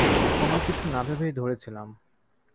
কোনোকিছু না ভেবেই ধরেছিলাম।